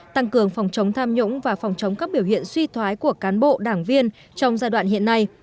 tăng cường phòng chống tham nhũng và phòng chống các biểu hiện suy thoái của cán bộ đảng viên trong giai đoạn hiện nay